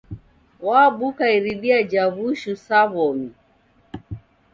Wabuka iridia ja w'ushu sa w'omi.